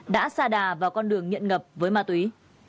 đã xa đà vào con đường nghiện ngập với ma túy